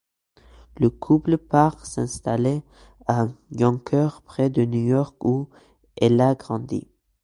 Le couple part s'installer à Yonkers près de New York où Ella grandit.